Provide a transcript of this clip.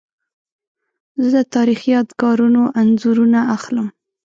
زه د تاریخي یادګارونو انځورونه اخلم.